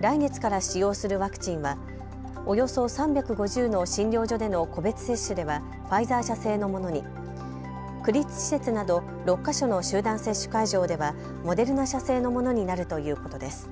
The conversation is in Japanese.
来月から使用するワクチンはおよそ３５０の診療所での個別接種ではファイザー社製のものに区立施設など６か所の集団接種会場ではモデルナ社製のものになるということです。